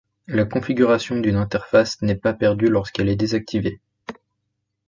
La configuration d'une interface n'est pas perdue lorsqu'elle est désactivée.